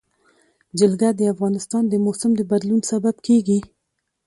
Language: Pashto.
جلګه د افغانستان د موسم د بدلون سبب کېږي.